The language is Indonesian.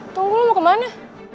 tunggu lu mau kemana